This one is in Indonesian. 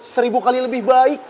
seribu kali lebih baik